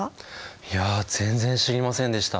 いや全然知りませんでした。